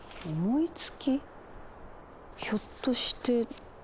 ひょっとして。